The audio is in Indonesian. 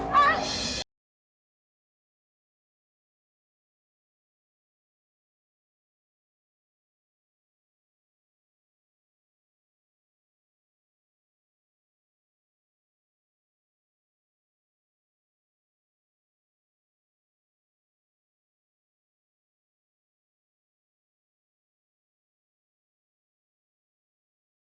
ya udah yaudah